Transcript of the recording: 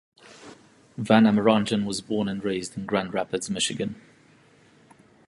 Van Amerongen was born and raised in Grand Rapids, Michigan.